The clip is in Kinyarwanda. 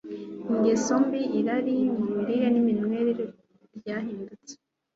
ingeso mbi. Irari mu mirire n’iminywere ryahindutse